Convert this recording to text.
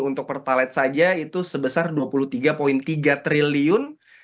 untuk pertalite saja itu sebesar rp dua puluh tiga tiga triliun